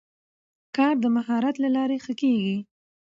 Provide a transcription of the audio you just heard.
کار د مهارت له لارې ښه کېږي